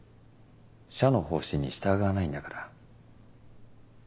社の方針に従わないんだから。